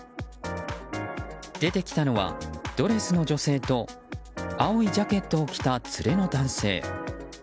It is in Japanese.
出てきたのはドレスの女性と青いジャケットを着た連れの男性。